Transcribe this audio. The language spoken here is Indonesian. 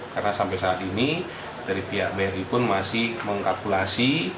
karena sampai saat ini dari pihak bri pun masih mengkalkulasi